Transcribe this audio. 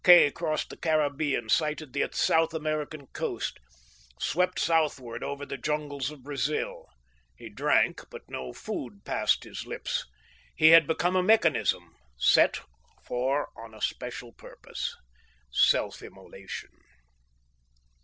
Kay crossed the Caribbean, sighted the South American coast, swept southward over the jungles of Brazil. He drank, but no food passed his lips. He had become a mechanism, set for on special purpose self immolation.